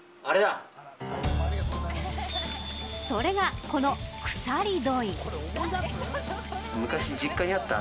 それが、この鎖樋。